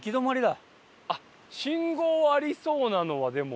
信号ありそうなのはでも。